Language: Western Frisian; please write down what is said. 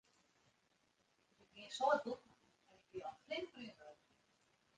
Ik wie in soad bûten en ik wie al flink brún wurden.